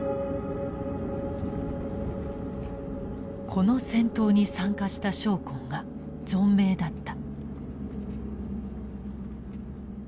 この戦闘に参加した将校が存命だった。